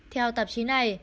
theo tạp chí này